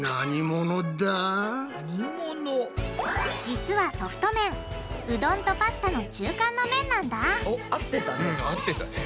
実はソフト麺うどんとパスタの中間の麺なんだおっ合ってたね。